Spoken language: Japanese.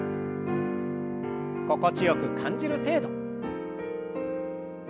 心地よく感じる程度。